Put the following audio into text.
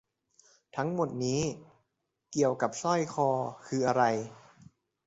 ทั้งหมดนี้เกี่ยวกับสร้อยคอคืออะไร ?